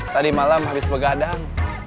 tadi malam habis pegadang